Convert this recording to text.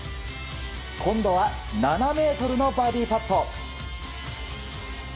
今度は７ｍのバーディーパット。